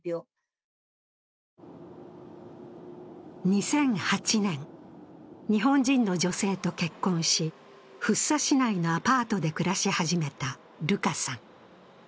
２００８年、日本人の女性と結婚し福生市内のアパートで暮らし始めたルカさん。